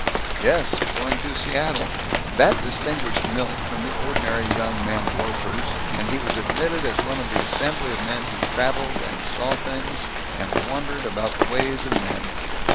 "Yes. Going to Seattle." That distinguished Milt from the ordinary young men loafers, and he was admitted as one of the assembly of men who traveled and saw things and wondered about the ways of men.